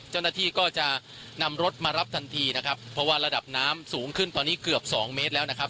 เจ้าหน้าที่ก็จะนำรถมารับทันทีนะครับเพราะว่าระดับน้ำสูงขึ้นตอนนี้เกือบสองเมตรแล้วนะครับ